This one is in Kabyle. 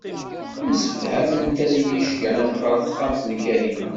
Msefhament ad iyi-ceggɛent ɣer texxamt n Kahina.